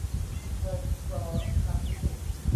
ไทรคลออาซิติก